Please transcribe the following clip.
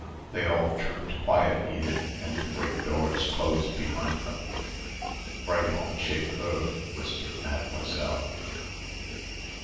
They all trooped quietly in and the great doors closed behind them. "Vraiment j'ai peur," whispered Mademoiselle.